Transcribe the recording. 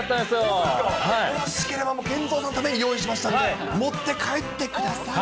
そうですか、ＫＥＮＺＯさんのために用意しましたので、持って帰ってください。